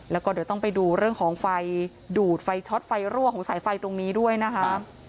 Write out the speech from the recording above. แล้วก็เดี๋ยวต้องไปดูเรื่องของไฟดูดไฟช็อตไฟรั่วของสายไฟตรงนี้ด้วยนะคะ